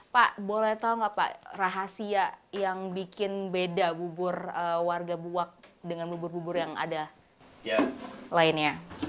pak boleh tahu gak pak rahasia yang bikin beda bubur warga buwak dengan bubur bubur yang ada lainnya